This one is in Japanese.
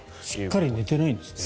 しっかり寝てないんですね。